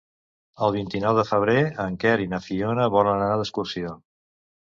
El vint-i-nou de febrer en Quer i na Fiona volen anar d'excursió.